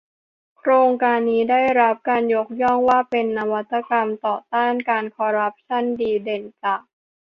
โครงการนี้ได้รับการยกย่องว่าเป็นนวัตกรรมต่อต้านการคอร์รัปชั่นดีเด่นจาก